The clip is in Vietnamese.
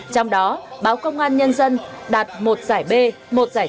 trong đó báo công an nhân dân đạt một giải b một giải c